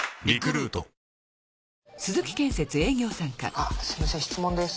あっすみません質問です。